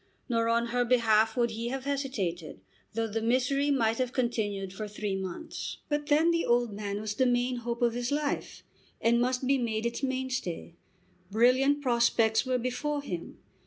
Nor on her behalf would he have hesitated, though the misery might have continued for three months. But then the old man was the main hope of his life, and must be made its mainstay. Brilliant prospects were before him.